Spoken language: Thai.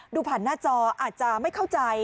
ดูผ่านหน้าจออาจจะไม่เข้าใจ